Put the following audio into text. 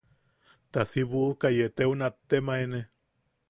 Ta si buʼuka yeeteu nattemaene.